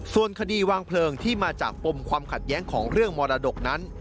ส่วนคดีวางเพลิงที่มาจากปมความขัดแย้งของเรื่องมรดกนั้น